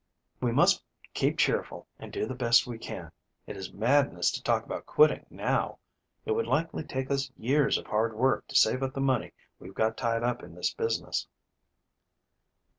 We must keep cheerful and do the best we can. It is madness to talk about quitting now. It would likely take us years of hard work to save up the money we've got tied up in this business."